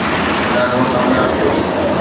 ڏاڍو ڪامياب ٿيو